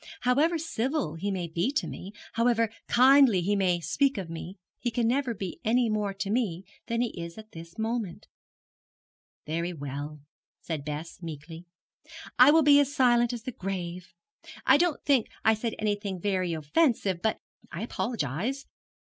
However civil he may be to me, however kindly he may speak of me, he can never be any more to me than he is at this moment.' 'Very well,' said Bess, meekly, 'I will be as silent as the grave. I don't think I said anything very offensive, but I apologize.